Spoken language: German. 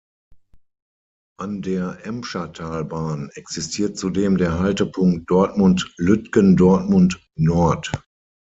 An der Emschertalbahn existiert zudem der Haltepunkt Dortmund-Lütgendortmund Nord.